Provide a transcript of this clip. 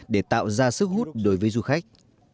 để tạo ra sức hút đối với du khách